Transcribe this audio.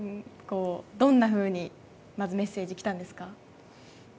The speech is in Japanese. どんなふうにまず、メッセージ来たんですか？